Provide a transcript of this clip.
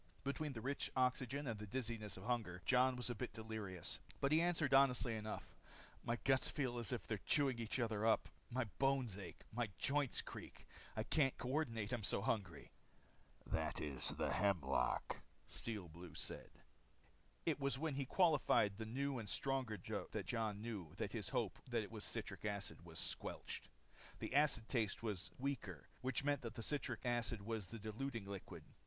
Between the rich oxygen and the dizziness of hunger, Jon was a bit delirious. But he answered honestly enough: "My guts feel as if they're chewing each other up. My bones ache. My joints creak. I can't coordinate I'm so hungry." "That is the hemlock," Steel Blue said. It was when he quaffed the new and stronger draught that Jon knew that his hope that it was citric acid was squelched. The acid taste was weaker which meant that the citric acid was the diluting liquid.